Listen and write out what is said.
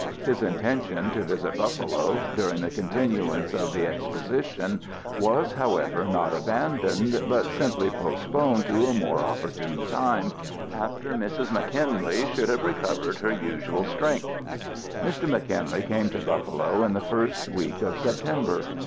His intention to visit Buffalo, during the continuance of the Exposition, was, however, not abandoned, but simply postponed to a more opportune time, after Mrs. McKinley should have recovered her usual strength. Mr. McKinley came to Buffalo in the first week of September.